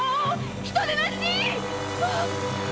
人でなし！